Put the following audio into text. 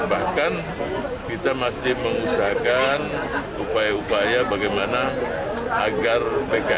bahkan kita masih mengusahakan upaya upaya bagaimana agar pkb